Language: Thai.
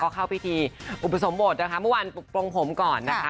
เข้าพิธีอุปสมบทนะคะเมื่อวานปลงผมก่อนนะคะ